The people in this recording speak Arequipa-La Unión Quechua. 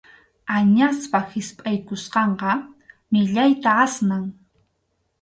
Añaspa hispʼaykusqanqa millayta asnan.